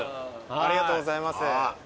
ありがとうございます。